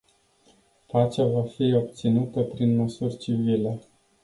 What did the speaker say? Pacea va fi obținută prin măsuri civile.